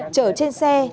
trở trên xe